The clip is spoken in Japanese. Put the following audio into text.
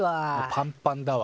パンパンだわ。